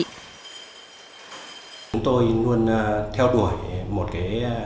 chúng tôi luôn theo đuổi một cái